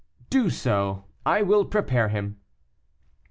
"Do so; I will prepare him."